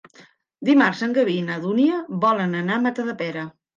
Dimarts en Garbí i na Dúnia volen anar a Matadepera.